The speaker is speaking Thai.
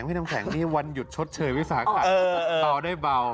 พี่น้ำแข็งนี่วันหยุดชดเชยวิสาขัตต่อได้เบา